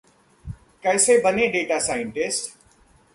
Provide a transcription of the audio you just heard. कैसे बने data scientist